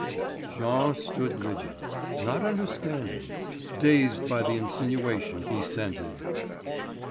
Jean stood rigid, not understanding, dazed by the insinuation he scented.